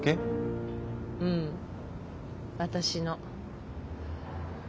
うん私の。